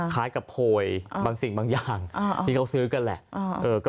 คล้ายกับโพยบางสิ่งบางอย่างที่เขาซื้อกันแหละ